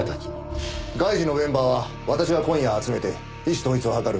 外事のメンバーは私が今夜集めて意思統一を図る。